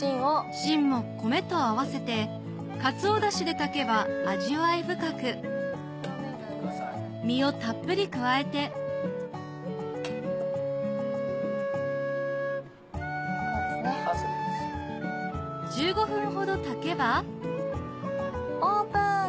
芯も米と合わせてカツオだしで炊けば味わい深く実をたっぷり加えて１５分ほど炊けばオープン！